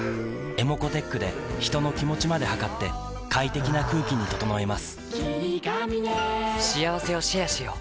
ｅｍｏｃｏーｔｅｃｈで人の気持ちまで測って快適な空気に整えます